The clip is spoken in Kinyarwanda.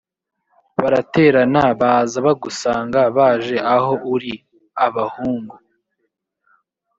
baraterana baza bagusanga baje aho uri abahungu